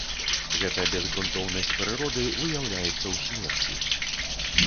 Гэта безгрунтоўнасць прыроды выяўляецца ў смерці.